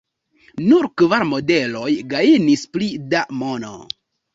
Nur kvar modeloj gajnis pli da mono.